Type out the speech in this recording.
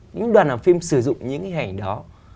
những đoàn làm phim sử dụng những cái hình ảnh đó